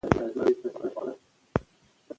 نړیوالې همکارۍ د تعلیم د کیفیت او کمیت لپاره مهمې دي.